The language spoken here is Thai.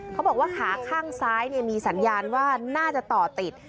เขาบอกว่าขาข้างซ้ายมีสัญญาณว่าน่าจะต่อติด